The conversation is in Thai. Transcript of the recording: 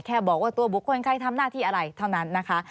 แค่บอกว่าตัวบุคคลใครทำหน้าที่อะไรเท่านั้นนะคะ